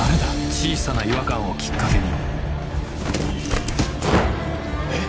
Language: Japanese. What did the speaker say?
小さな違和感をきっかけにえっ？